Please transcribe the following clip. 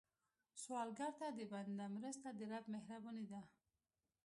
سوالګر ته د بنده مرسته، د رب مهرباني ده